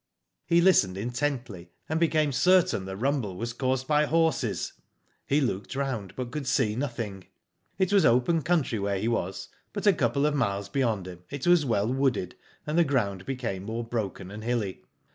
"He listened intently, and became certain the Digitized byGoogk THE PHANTOM HORSE, 93 rumble was caused by horses. He looked round, but could see nothing. " It was open country where he was, but a couple of miles beyond him it was well wooded, and the ground became more broken and hilly.